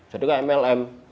jadi kayak mlm